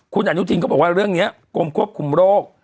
คุณอนุทินก็บอกว่าเรื่องนี้กรมควบคุมโรค